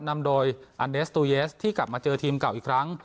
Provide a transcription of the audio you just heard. นำโดยอันเดสตูเยสที่กลับมาเจอทีมเก่าอีกครั้ง